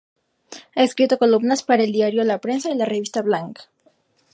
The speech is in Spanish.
Ha escrito columnas para el Diario La Prensa y la Revista Blank.